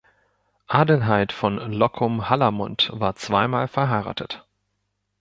Adelheid von Loccum-Hallermund war zweimal verheiratet.